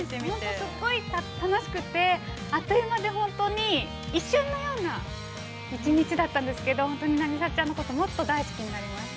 ◆すごい楽しくて、あっという間で、本当に一瞬のような、１日だったんですけど、本当に凪咲ちゃんのこと、もっと好きになりました。